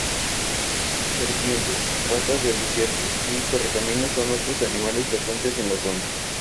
Serpientes, ratas del desierto y correcaminos son otros animales frecuentes en la zona.